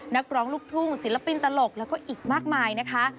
นักร้องลูกทุ่งศิลปินตลกแล้วก็อีกมากมายนะคะ